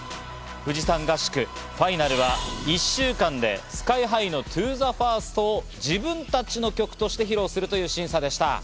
富士山合宿、ファイナルは１週間でＳＫＹ−ＨＩの『ＴｏＴｈｅＦｉｒｓｔ』を自分たちの曲として披露するという審査でした。